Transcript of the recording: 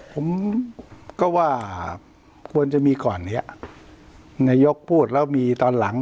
ผมก็ว่าควรจะมีก่อนเนี่ยนายกพูดแล้วมีตอนหลัง